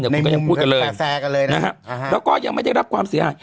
อย่างพูดกันเลยแล้วก็ยังไม่ได้รับความเสียหาย